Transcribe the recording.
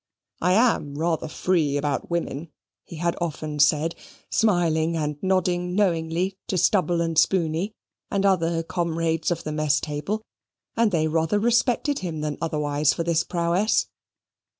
I AM rather free about women, he had often said, smiling and nodding knowingly to Stubble and Spooney, and other comrades of the mess table; and they rather respected him than otherwise for this prowess.